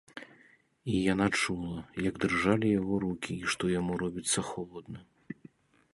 І яна чула, як дрыжалі яго рукі і што яму робіцца холадна.